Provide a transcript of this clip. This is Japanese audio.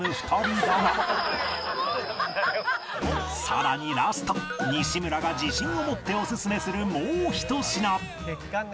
さらにラスト西村が自信を持ってオススメするもうひと品